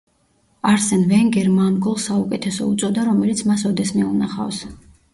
არსენ ვენგერმა ამ გოლს საუკეთესო უწოდა რომელიც მას ოდესმე უნახავს.